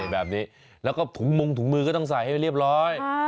แบบนี้แล้วก็ถุงมงถุงมือก็ต้องใส่ให้ไปเรียบร้อย